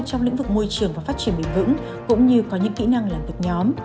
trong lĩnh vực môi trường và phát triển bền vững cũng như có những kỹ năng làm việc nhóm